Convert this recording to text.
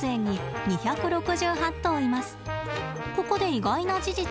ここで意外な事実。